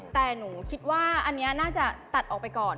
แต่หนูคิดว่าอันนี้น่าจะตัดออกไปก่อน